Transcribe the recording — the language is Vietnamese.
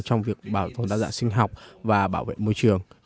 trong việc bảo tồn đa dạng sinh học và bảo vệ môi trường